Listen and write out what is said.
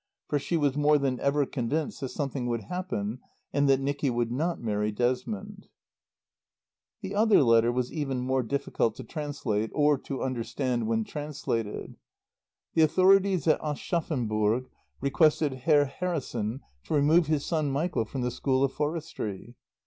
For she was more than ever convinced that something would happen and that Nicky would not marry Desmond. The other letter was even more difficult to translate or to understand when translated. The authorities at Aschaffenburg requested Herr Harrison to remove his son Michael from the School of Forestry.